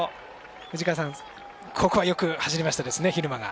藤川さん、ここはよく走りましたね、蛭間が。